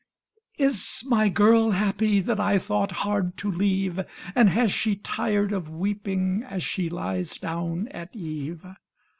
"Is my girl happy, That I thought hard to leave, And has she tired of weeping As she lies down at eve?"